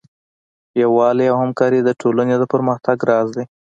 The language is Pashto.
یووالی او همکاري د ټولنې د پرمختګ راز دی.